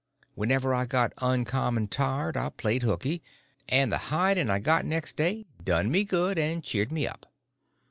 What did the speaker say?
Whenever I got uncommon tired I played hookey, and the hiding I got next day done me good and cheered me up.